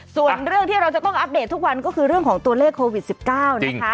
ส่วนเรื่องที่เราจะต้องอัปเดตทุกวันก็คือเรื่องของตัวเลขโควิด๑๙นะคะ